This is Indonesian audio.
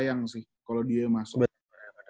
sayang sih kalau dia masuk